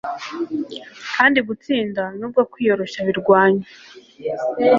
kandi gutsinda nubwo kwiyoroshya birwanya